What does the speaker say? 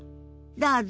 どうぞ。